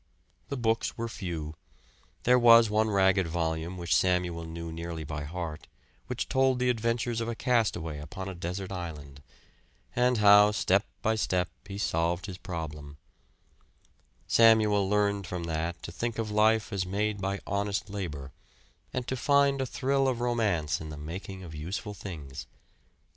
The books were few. There was one ragged volume which Samuel knew nearly by heart, which told the adventures of a castaway upon a desert island, and how, step by step, he solved his problem; Samuel learned from that to think of life as made by honest labor, and to find a thrill of romance in the making of useful things.